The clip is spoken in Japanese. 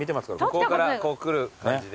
向こうからこう来る感じで。